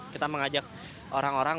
kita mengajak orang orang